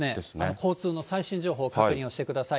交通の最新情報、確認をしてください。